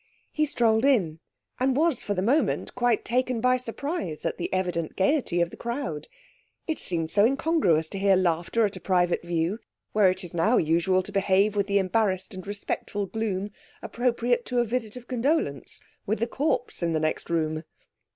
He strolled in, and was for the moment quite taken by surprise at the evident gaiety of the crowd. It seemed so incongruous to hear laughter at a private view, where it is now usual to behave with the embarrassed and respectful gloom appropriate to a visit of condolence (with the corpse in the next room).